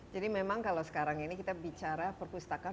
jadi memang kalau sekarang ini kita bicara perpustakaan